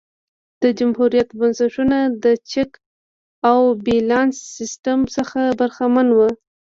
د جمهوریت بنسټونه د چک او بیلانس سیستم څخه برخمن وو